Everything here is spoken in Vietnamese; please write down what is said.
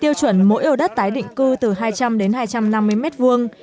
tiêu chuẩn mỗi ô đất tái định cư từ hai trăm linh đến hai trăm năm mươi mét vuông